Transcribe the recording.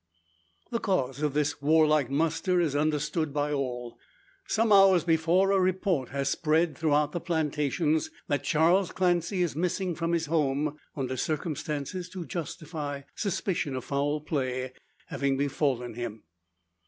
The cause of this warlike muster is understood by all. Some hours before, a report has spread throughout the plantations that Charles Clancy is missing from his home, under circumstances to justify suspicion of foul play having befallen him.